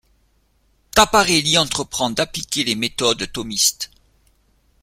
Taparelli entreprend d'appliquer les méthodes thomistes.